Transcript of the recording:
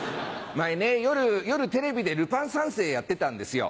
前ね夜テレビで『ルパン三世』やってたんですよ。